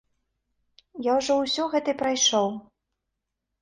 Я ўжо ўсё гэта прайшоў.